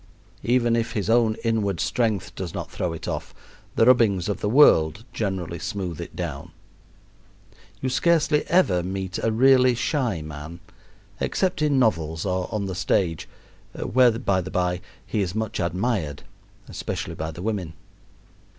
Even if his own inward strength does not throw it off, the rubbings of the world generally smooth it down. You scarcely ever meet a really shy man except in novels or on the stage, where, by the bye, he is much admired, especially by the women.